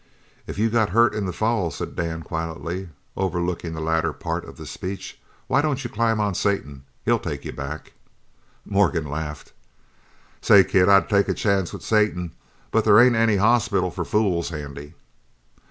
"If you got hurt in the fall," said Dan quietly, overlooking the latter part of the speech, "why don't you climb onto Satan. He'll take you back." Morgan laughed. "Say, kid, I'd take a chance with Satan, but there ain't any hospital for fools handy."